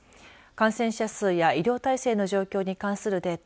感染者数や医療体制の状況に関するデータ